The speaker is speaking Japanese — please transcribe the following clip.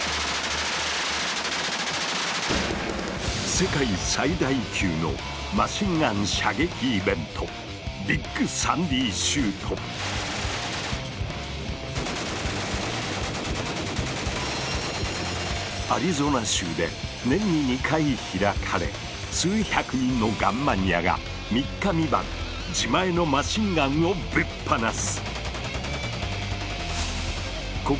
世界最大級のマシンガン射撃イベントアリゾナ州で年に２回開かれ数百人のガンマニアが三日三晩自前のマシンガンをぶっ放す！